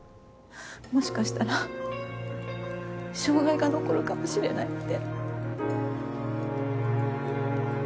もしかしたら障がいが残るかもしれないって。